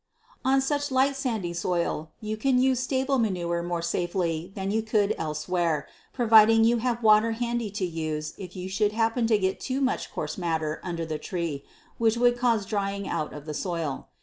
On such a light sandy soil you can use stable manure more safely than you could elsewhere, providing you have water handy to use if you should happen to get too much coarse matter under the tree, which would cause drying out of the soil.